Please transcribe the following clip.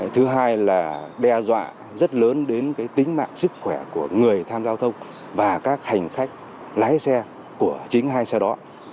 thứ hai là đe dọa rất lớn đến tính mạng sức khỏe của người tham gia giao thông và các hành khách lái xe của chính hai xe đó